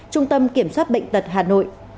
trung tâm kiểm soát bệnh tật hà nội